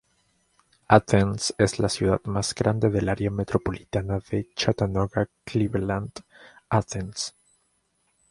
Athens es la ciudad más grande del área metropolitana de Chattanooga-Cleveland-Athens.